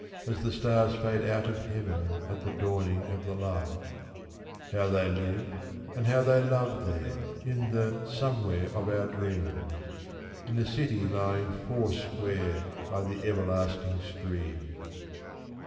As the stars fade out of heaven at the dawning of the light ; How they live and how they love there, in the " somewhere '* of our dreams ; In the " city lying four square " by the everlasting streams